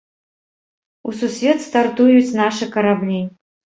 У сусвет стартуюць нашы караблі.